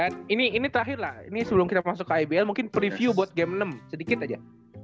dan ini terakhir lah ini sebelum kita masuk ke ibl mungkin preview buat game enam sedikit aja